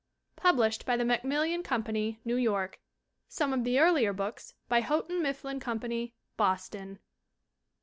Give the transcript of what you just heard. Published by The Macmillan Company, New York. Some of the earlier books by Houghton Mifflin Com pany } Boston.